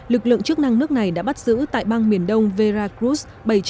lực lượng chức năng nước này đã bắt giữ tại bang miền đông veracruz